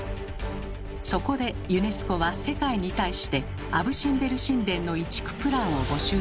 そこでユネスコは世界に対してアブ・シンベル神殿の移築プランを募集しました。